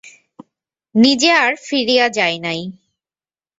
নিজে আর ফিরিয়া যায় নাই।